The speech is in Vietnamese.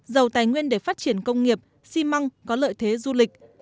giàu tài nguyên để phát triển công nghiệp xi măng có lợi thế du lịch